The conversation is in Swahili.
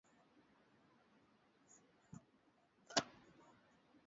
itokanayo na uhifadhi wa wanyamapori ama kwa kuwajengea shule zahanati au kuanzisha miradi mbalimbali